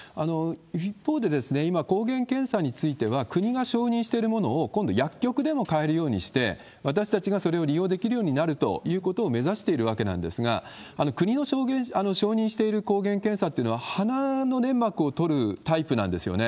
一方で、今、抗原検査については国が承認しているものを、今度、薬局でも買えるようにして、私たちがそれを利用できるようになるということを目指しているわけなんですが、国の承認している抗原検査っていうのは、鼻の粘膜を採るタイプなんですよね？